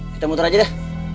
kita muter aja deh